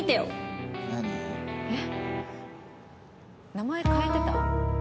名前変えてた？